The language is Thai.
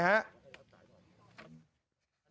คุณชาติคุณชาติคุณชาติคุณชาติ